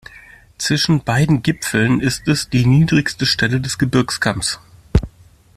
Zwischen beiden Gipfeln ist es die niedrigste Stelle des Gebirgskamms.